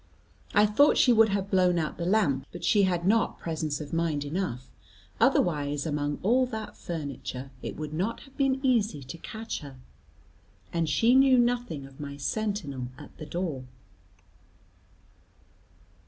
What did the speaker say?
I thought she would have blown out the lamp, but she had not presence of mind enough: otherwise among all that furniture it would not have been easy to catch her; and she knew nothing of my sentinel at the door.